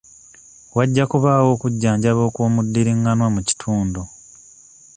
Wajja kubaawo okujjanjaba okw'omuddiringanwa mu kitundu.